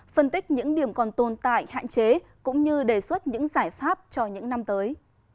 phân tích những điểm còn tồn tại hạn chế cũng như đề xuất những giải pháp cho những năm tới